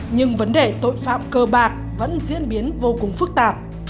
nhưng vấn đề tội phạm cơ bạc vẫn diễn biến vô cùng phức tạp